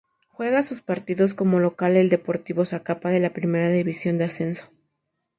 Juega sus partidos como local el Deportivo Zacapa de la Primera División de Ascenso.